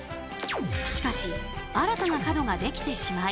しかし新たな角ができてしまい